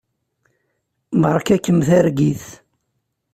Beṛka-kem targit.